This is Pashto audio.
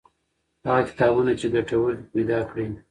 هغه کتابونه چې ګټور دي پیدا کړئ.